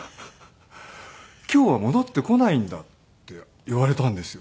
「今日は戻ってこないんだ」って言われたんですよ。